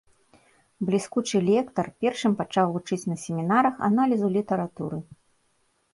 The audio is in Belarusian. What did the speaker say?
Бліскучы лектар, першым пачаў вучыць на семінарах аналізу літаратуры.